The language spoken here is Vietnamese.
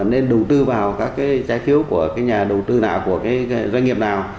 nên đầu tư vào các trái phiếu của nhà đầu tư nào doanh nghiệp nào